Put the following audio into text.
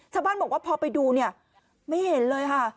ชาวบ้านบอกว่าพอไปดูเนี่ยไม่เห็นเลยค่ะ